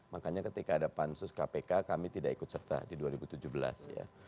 makanya ketika ada pansus kpk kami tidak ikut serta di dua ribu tujuh belas ya